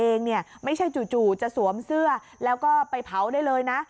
เองเนี่ยไม่ใช่จู่จะสวมเสื้อแล้วก็ไปเผาได้เลยนะ